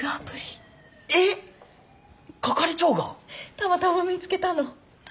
たまたま見つけたの。